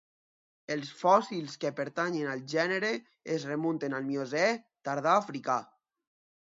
Els fòssils que pertanyen al gènere es remunten al Miocè tardà africà.